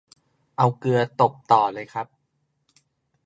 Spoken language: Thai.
เอาเกลือตบต่อเลยครับ